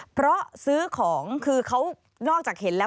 เพราะซื้อของคือเขานอกจากเห็นแล้ว